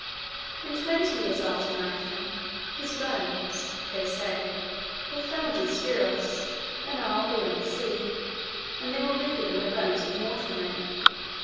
And twenty years after Marathon his bones (they say) were found in Scuros, an isle beyond the sea; and they were bigger than the bones of mortal man.